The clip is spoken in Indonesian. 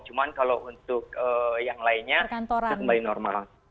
cuma kalau untuk yang lainnya kembali normal